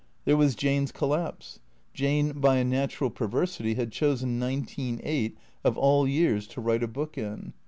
There was Jane's collapse. Jane, by a natural perversity had chosen nineteen eight, of all years, to write a book in.